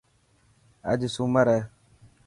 اڄ سومر هي.